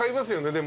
でも。